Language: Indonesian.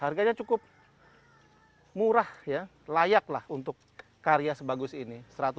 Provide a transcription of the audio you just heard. harganya cukup murah layak untuk karya sebagusnya